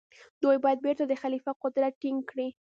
دوی باید بيرته د خليفه قدرت ټينګ کړي.